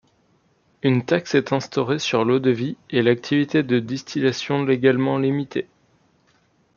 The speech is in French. Une taxe est instaurée sur l'eau-de-vie, et l'activité de distillation légalement limitée.